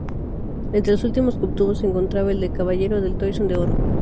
Entre los títulos que obtuvo se encontraba el de Caballero del Toisón de Oro.